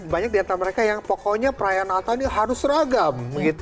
banyak di antara mereka yang pokoknya perayaan natal ini harus seragam